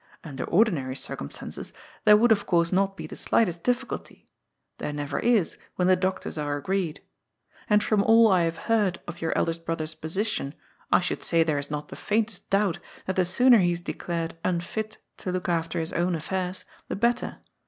Under ordinary circumstances there would of course not be the slightest difficulty. There never is when the doctors are agreed. And from all I have heard of your eldest brother's position I should say there is not the faintest doubt that the sooner he is declared unfit to look after his own affairs the better.